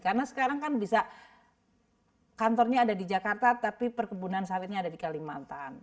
karena sekarang kan bisa kantornya ada di jakarta tapi perkebunan sayurnya ada di kalimantan